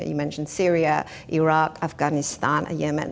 anda mengatakan syria irak afganistan yemen